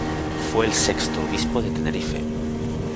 Fue el sexto obispo de Tenerife.